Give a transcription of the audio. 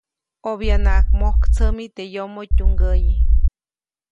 ʼObyanaʼak mojktsämi teʼ yomoʼ tyumgäʼyi.